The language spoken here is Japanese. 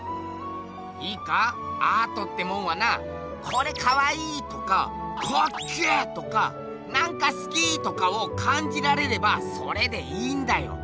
いいかアートってもんはなこれかわいいとかカッケーとかなんか好きとかをかんじられればそれでいいんだよ。